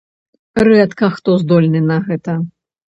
Рэдка хто здольны на гэта.